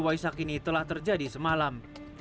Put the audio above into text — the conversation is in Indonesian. waisak ini telah terjadi semalam